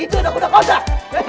eh itu ada kuda kocok